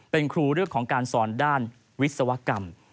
เป็นครูเรื่องของการสอนด้านวิศวกรรม